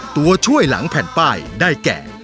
ตัวช่วยหลังแผ่นป้ายได้แก่